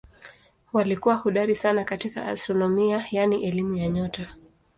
Walikuwa hodari sana katika astronomia yaani elimu ya nyota.